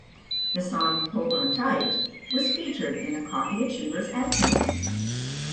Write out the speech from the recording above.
The song "Hold On Tight" was featured in a Coffee Achievers ad campaign.